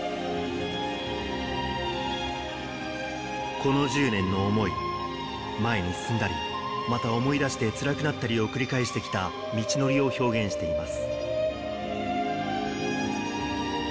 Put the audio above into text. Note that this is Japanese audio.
この１０年の想い、前に進んだり、また思い出して辛くなったりを繰り返してきた道のりを表現しています。